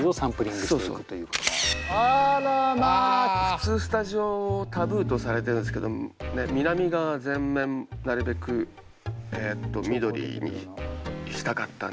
普通スタジオタブーとされてるんですけど南側全面なるべく緑にしたかったんで。